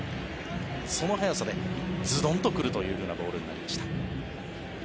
その速さでズドンと来るというボールになりました。